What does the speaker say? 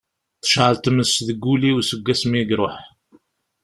Tecɛel tmes deg wul-is seg wass mi iṛuḥ.